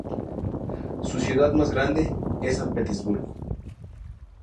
Su ciudad más grande es San Petersburgo.